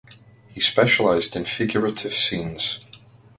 He specialised in figurative scenes.